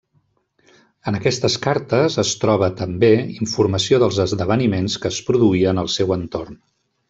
En aquestes cartes es troba, també, informació dels esdeveniments que es produïen al seu entorn.